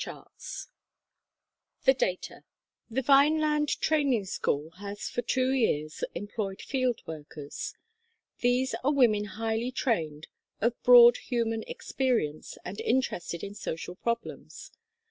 CHAPTER II THE DATA THE Vineland Training School has for two years employed field workers. These are women highly trained, of broad human experience, and interested in social problems.